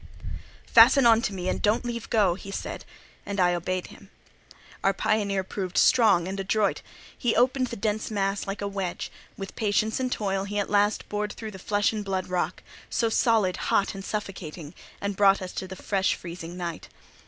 "Fasten on me, and don't leave go," he said; and I obeyed him. Our pioneer proved strong and adroit; he opened the dense mass like a wedge; with patience and toil he at last bored through the flesh and blood rock—so solid, hot, and suffocating—and brought us to the fresh, freezing night.